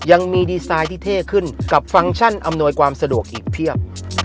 ยังมีดีไซน์ที่เท่ขึ้นกับฟังก์ชั่นอำนวยความสะดวกอีกเพียบ